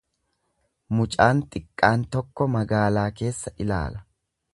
Mucaan xiqqaan tokko magaalaa keessa ilaala.